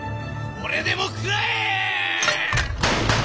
これでも食らえ！